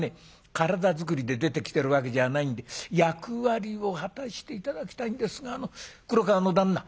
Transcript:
体作りで出てきてるわけじゃないんで役割を果たして頂きたいんですが黒川の旦那